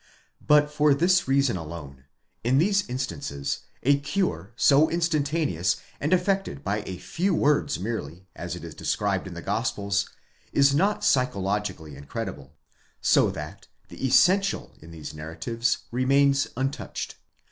But for this reason alone : in these instances, a cure,' so instantaneous, and effected by a few words merely, as it is described in the Gospels, is not psychologically incredible; so that, the essential in these DEVELOPMENT OF THE MYTHICAL POINT OF VIEW. gi narratives remains untouched.